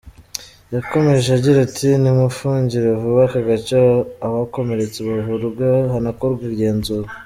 Yakomeje agira ati “ Nimufungure vuba ako gace abakomeretse bavurwe hanakorwe igenzura.